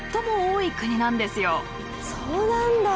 そうなんだ！